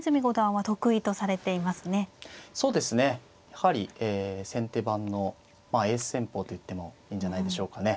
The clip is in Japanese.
やはり先手番のエース戦法と言ってもいいんじゃないでしょうかね。